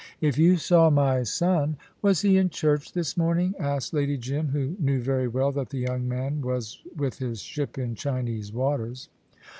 "If you saw my son " "Was he in church this morning?" asked Lady Jim, who knew very well that the young man was with his ship in Chinese waters.